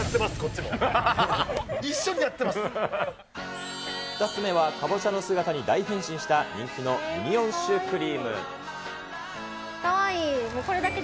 ２つ目はカボチャの姿に大変身した人気のミニオンシュークリかわいい。